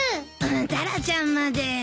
タラちゃんまで。